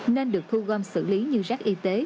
nên được thu gom xử lý như rác y tế